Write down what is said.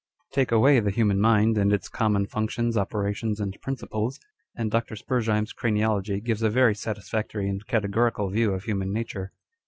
l Take away the human mind and its common functions, operations, and principles, and Dr. Spurzheim's craniology gives a very satisfactory and categorical view of human nature.